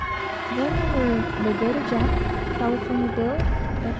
Then there was Lagoda Jack, California Bill, etc.